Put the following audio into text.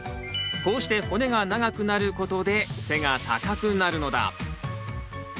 こうして骨が長くなることで背が高くなるのだ。